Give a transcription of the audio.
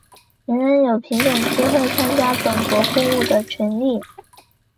人人有平等机会参加本国公务的权利。